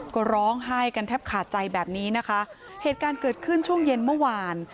ก็ร้องไห้กันแทบขาดใจแบบนี้นะคะเหตุการณ์เกิดขึ้นช่วงเย็นเมื่อวาน